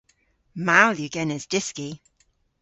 Mall yw genes dyski.